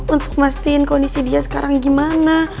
untuk memastikan kondisi dia sekarang gimana